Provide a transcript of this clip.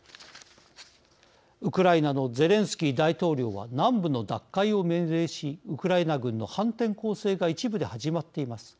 ウクライナのゼレンスキー大統領は南部の奪回を命令しウクライナ軍の反転攻勢が一部で始まっています。